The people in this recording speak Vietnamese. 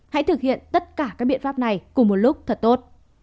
hãy thực hiện tất cả các biện pháp này cùng một lúc thật tốt